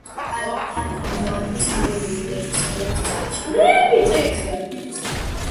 არ წარმოადგენს ხელოვნური სელექციის შედეგად მიღებულ სახეობას.